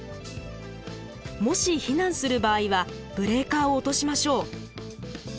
もし避難する場合はブレーカーを落としましょう。